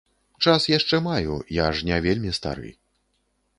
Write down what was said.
Час яшчэ маю, я ж не вельмі стары.